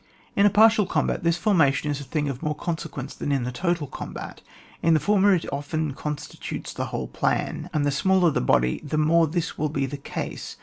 223. In a partial combat this forma tion is a thing of more consequence than in the total combat; in the former, it often constitutes the whole plan, and the smaller the body, the more this will be the case.